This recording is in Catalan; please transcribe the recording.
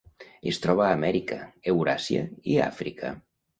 Es troba a Amèrica, Euràsia i Àfrica.